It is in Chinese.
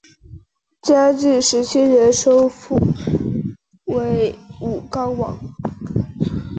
嘉靖十七年受封为武冈王。